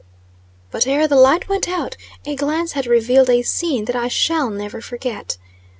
But, ere the light went out, a glance had revealed a scene that I shall never forget.